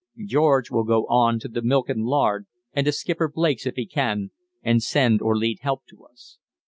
George will go on to the milk and lard and to Skipper Blake's, if he can, and send or lead help to us.